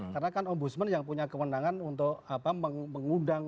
karena kan om busman yang punya kewenangan untuk mengundang